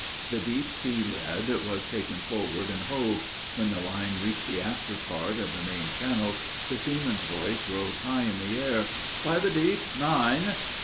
The deep sea lead was taken forward and hove: when the line reached the after part of the main channels, the seaman's voice rose high in the air, "By the deep, nine!"